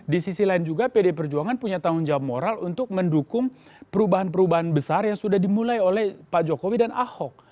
di sisi lain juga pd perjuangan punya tanggung jawab moral untuk mendukung perubahan perubahan besar yang sudah dimulai oleh pak jokowi dan ahok